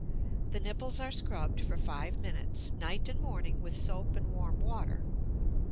The nipples are scrubbed for five minutes, night and morning, with soap and warm water.